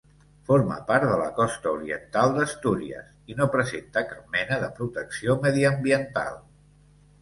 Forma part de la Costa oriental d'Astúries i no presenta cap mena de protecció mediambiental.